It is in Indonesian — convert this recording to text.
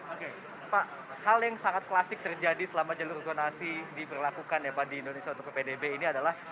oke pak hal yang sangat klasik terjadi selama jalur zonasi diberlakukan ya pak di indonesia untuk ppdb ini adalah